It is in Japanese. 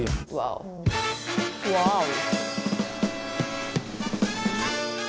ワオ！